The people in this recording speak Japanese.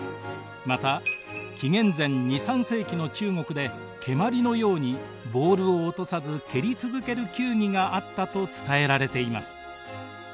また紀元前２３世紀の中国で蹴まりのようにボールを落とさず蹴り続ける球技があったと伝えられています。